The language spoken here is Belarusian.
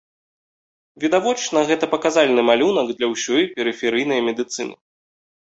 Відавочна, гэта паказальны малюнак для ўсёй перыферыйнай медыцыны.